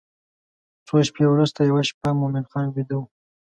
څو شپې وروسته یوه شپه مومن خان بیده و.